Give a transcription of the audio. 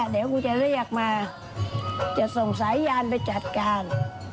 เดี๋ยวกูจะเรียกมาจะส่งสายยานไปจัดการ